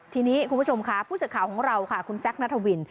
ทีนี้คุณผู้ชมค่ะผู้สื่อข่าวของเราค่ะคุณแซคนัทวิน